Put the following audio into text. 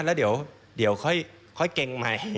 แล้วเดี๋ยวค่อยเก่งใหม่